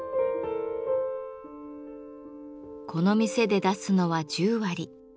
この店で出すのは十割。